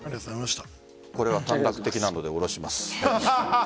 これは短絡的なので下ろします。